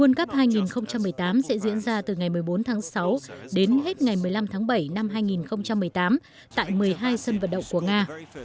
w hai nghìn một mươi tám sẽ diễn ra từ ngày một mươi bốn tháng sáu đến hết ngày một mươi năm tháng bảy năm hai nghìn một mươi tám tại một mươi hai sân vận động của nga